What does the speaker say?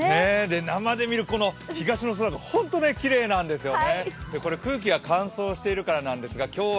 生で見るこの東の空がホントにきれいなんですよね。